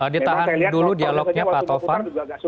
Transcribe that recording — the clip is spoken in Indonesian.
ditahan dulu dialognya pak tovan